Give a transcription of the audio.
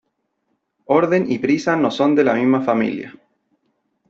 Orden y prisa no son de la misma familia.